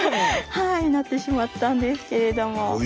はいなってしまったんですけれども。